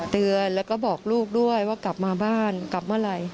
เตือนแล้วก็บอกลูกด้วยว่ากลับมาบ้านกลับเมื่อไหร่